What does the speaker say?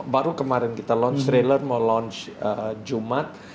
baru kemarin kita launch trailer mau launch jumat